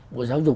bộ giáo dục